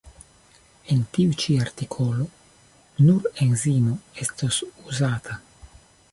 En tiu ĉi artikolo nur enzimo estos uzata.